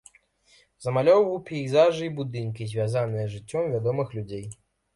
Замалёўваў пейзажы і будынкі, звязаныя з жыццём вядомых людзей.